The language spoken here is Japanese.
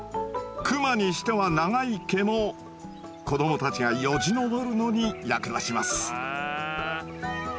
クマにしては長い毛も子どもたちがよじ登るのに役立ちます。